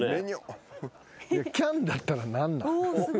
キャンだったら何なん？